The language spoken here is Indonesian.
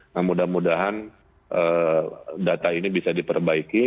nah mudah mudahan data ini bisa diperbaiki